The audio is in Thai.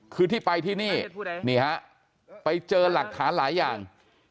คือที่ไปที่นี่นี่ฮะไปเจอหลักฐานหลายอย่าง